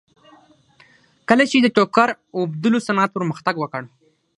کله چې د ټوکر اوبدلو صنعت پرمختګ وکړ